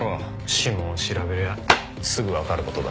指紋を調べりゃすぐわかる事だ。